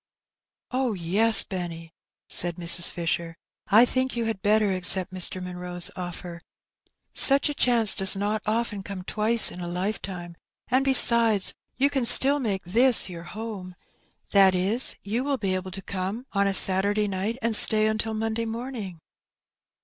" Oh, yes, Benny," said Mrs. Fisher, " I think you had better accept Mr. Munroe's offer: such a chance does not often come twice in a lifetime; and, besides, you can still make this your home — that is, you will be able to come on a Saturday night and stay until Monday morning."